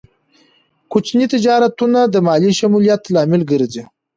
کوچني تجارتونه د مالي شمولیت لامل ګرځي.